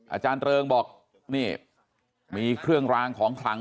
อาจารย์เริงบอกนี่มีเครื่องรางของขลัง